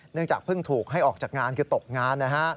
จากเพิ่งถูกให้ออกจากงานคือตกงานนะฮะ